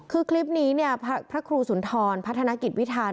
คือคลิปนี้เนี่ยพระครูสุนทรพัฒนกิจวิทาน